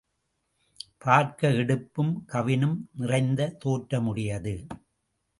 பார்க்க எடுப்பும் கவினும் நிறைந்த தோற்றமுடையது.